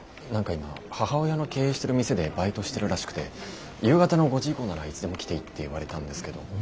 何か今母親の経営してる店でバイトしてるらしくて夕方の５時以降ならいつでも来ていいって言われたんですけど。